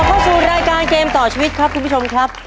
เข้าสู่รายการเกมต่อชีวิตครับคุณผู้ชมครับ